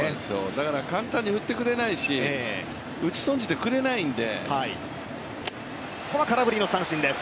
だから簡単に振ってはくれないし打ち損じてくれないんで。